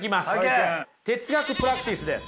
哲学プラクティスです。